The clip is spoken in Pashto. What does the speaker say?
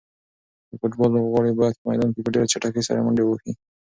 د فوټبال لوبغاړي باید په میدان کې په ډېره چټکۍ سره منډې ووهي.